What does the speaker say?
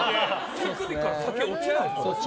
手首から先落ちない？